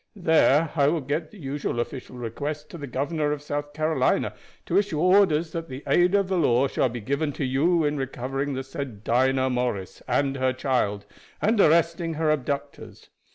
There I will get the usual official request to the governor of South Carolina to issue orders that the aid of the law shall be given to you in recovering the said Dinah Morris and her child and arresting her abductors.